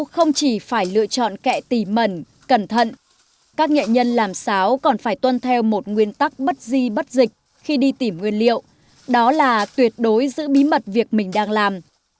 không chỉ phải lựa chọn kẹ tỉ mẩn cẩn thận các nghệ nhân làm sáo còn phải tuân theo một nguyên tắc bất di bất dịch khi đi tìm nguyên liệu đó là tuyệt đối giữ bí mật việc mình đang làm